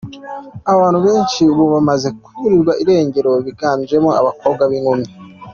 Abantu benshi ubu bamaze kuburirwa irengero bingajemo abakobwa b’inkumi.